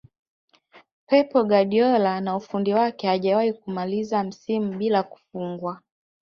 Pep Guardiola na ufundi wake hajawahi kumaliza msimu bila kufungwa